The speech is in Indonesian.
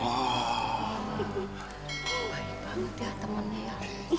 baik banget ya temannya ya